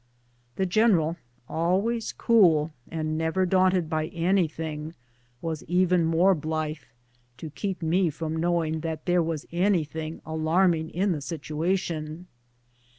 The general, always cool and never daunted by anything, was even more blithe, to keep me from knowing that there was anything alarming in the situation.